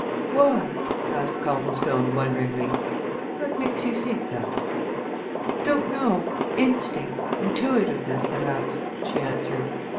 "Why?" asked Copplestone, wonderingly. "What makes you think that?" "Don't know instinct, intuitiveness, perhaps," she answered.